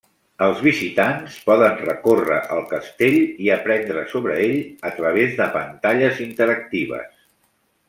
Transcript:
Els visitants poden recórrer el castell i aprendre sobre ell a través de pantalles interactives.